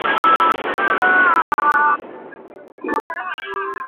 ডুবে যাওয়া লঞ্চের যাত্রী ছিলেন ঢাকার একটি বেসরকারি প্রতিষ্ঠানের চাকরিজীবী সৈয়দ মোহাম্মদ সাদী।